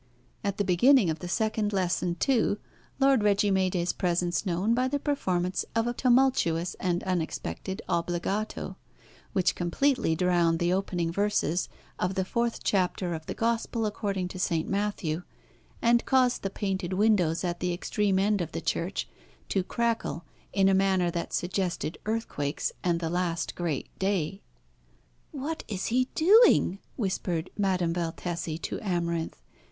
At the beginning of the second lesson, too, Lord Reggie made his presence known by the performance of a tumultuous and unexpected obligato, which completely drowned the opening verses of the fourth chapter of the Gospel according to St. Matthew, and caused the painted windows at the extreme end of the church to crackle in a manner that suggested earthquakes and the last great day. "What is he doing?" whispered Madame Valtesi to Amarinth.